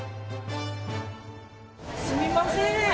すみません。